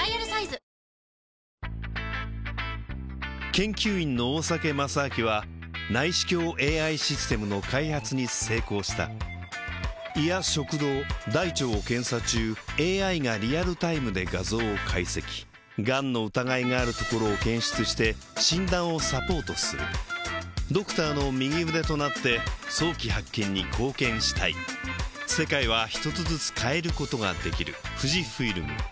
研究員の大酒正明は内視鏡ＡＩシステムの開発に成功した胃や食道大腸を検査中ＡＩがリアルタイムで画像を解析がんの疑いがあるところを検出して診断をサポートするドクターの右腕となって早期発見に貢献したいじいちゃん！